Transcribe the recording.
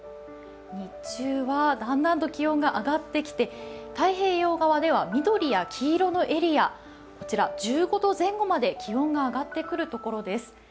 日中はだんだんと気温が上がってきて太平洋側では緑や黄色のエリア、こちら１５度前後まで気温が上がってくるところです。